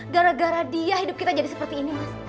gara gara dia hidup kita jadi seperti ini mas